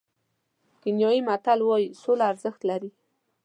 کینیايي متل وایي سوله ارزښت لري.